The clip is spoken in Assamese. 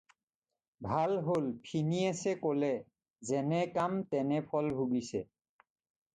"ভাল হ'ল" ফিনিএচে ক'লে- "যেনে কাম তেনে ফল ভুগিছে।"